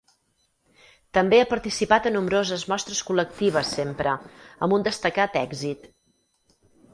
També ha participat a nombroses mostres col·lectives sempre, amb un destacat èxit.